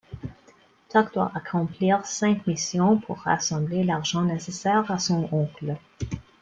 Tuck doit accomplir cinq missions pour rassembler l'argent nécessaire à son oncle.